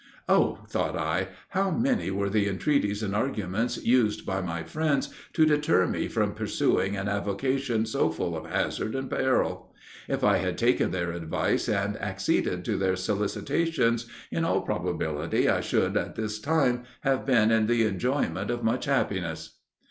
"Oh!" thought I, "how many were the entreaties and arguments used by my friends to deter me from pursuing an avocation so full of hazard and peril! If I had taken their advice, and acceded to their solicitations, in all probability I should, at this time, have been in the enjoyment of much happiness."